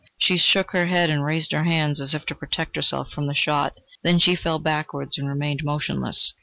She shook her head and raised her hands as if to protect herself from the shot... then she fell backwards and remained motionless.